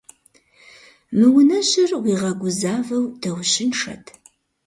Мы унэжьыр уигъэгузавэу даущыншэт.